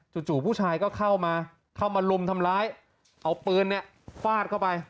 จู่ผู้ชายก็เข้ามาเข้ามาลุมทำร้ายเอาปืนเนี่ยฟาดเข้าไป